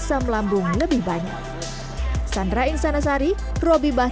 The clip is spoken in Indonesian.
setelah gersok k esl gerd sisa empat tahun